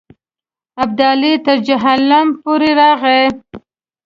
ابدالي تر جیهلم پورې راغی.